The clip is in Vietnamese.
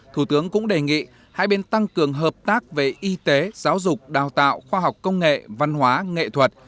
thủ tướng cũng đề nghị hai bên tăng cường hợp tác về y tế giáo dục đào tạo khoa học công nghệ văn hóa nghệ thuật